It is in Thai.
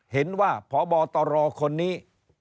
เห็นว่าพบตลคนนี้